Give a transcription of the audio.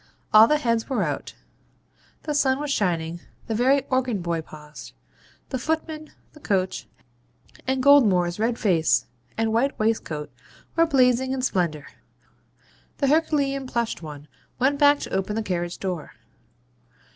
All the heads were out; the sun was shining; the very organ boy paused; the footman, the coach, and Goldmore's red face and white waistcoat were blazing in splendour. The herculean plushed one went back to open the carriage door.